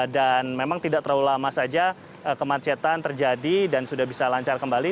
dan memang tidak terlalu lama saja kemacetan terjadi dan sudah bisa lancar kembali